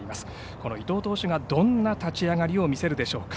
この伊藤投手が、どんな立ち上がりを見せるでしょうか。